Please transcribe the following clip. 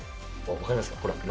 分かりますか？